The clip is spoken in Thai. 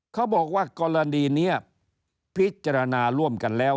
เขาบอกว่ากรณีนี้พิจารณาร่วมกันแล้ว